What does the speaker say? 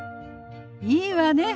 いいわね。